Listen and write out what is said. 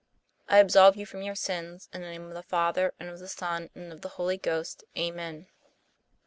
1 1 7 ' I absolve you from your sins, in the name of the Father and of the Son and of the Holy Ghost. Amen."